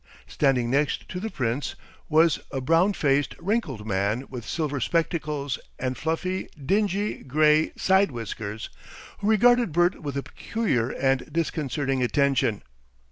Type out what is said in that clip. Standing next the Prince was a brown faced, wrinkled man with silver spectacles and fluffy, dingy grey side whiskers, who regarded Bert with a peculiar and disconcerting attention.